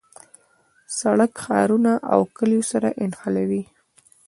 سړک ښارونه او کلیو سره نښلوي.